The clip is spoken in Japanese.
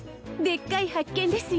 でっかい発見です